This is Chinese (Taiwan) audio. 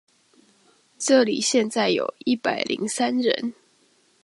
這裡現在有一百零三人